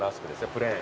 プレーン。